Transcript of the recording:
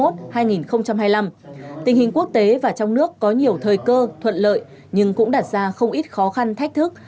tình hình quốc tế và trong nước có nhiều thời cơ thuận lợi nhưng cũng đặt ra không ít khó khăn thách thức